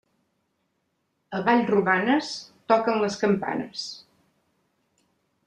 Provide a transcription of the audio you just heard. A Vallromanes, toquen les campanes.